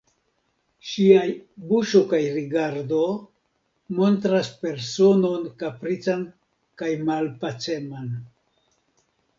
Ŝiaj buŝo kaj rigardo montras personon kaprican kaj malpaceman.